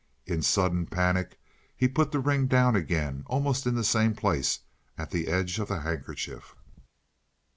In sudden panic he put the ring down again, almost in the same place at the edge of the handkerchief.